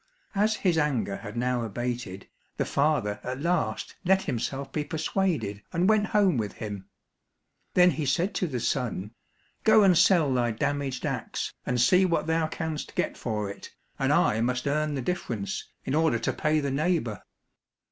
As his anger had now abated, the father at last let himself be persuaded and went home with him. Then he said to the son, "Go and sell thy damaged axe, and see what thou canst get for it, and I must earn the difference, in order to pay the neighbour."